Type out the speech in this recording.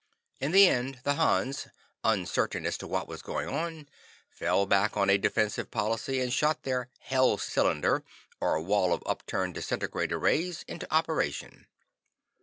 In the end, the Hans, uncertain as to what was going on, fell back on a defensive policy, and shot their "hell cylinder," or wall of upturned disintegrator rays into operation.